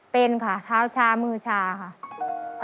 เป็นค่ะเท้าชามือชาค่ะ